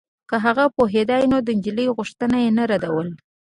که هغه پوهېدای نو د نجلۍ غوښتنه يې نه ردوله.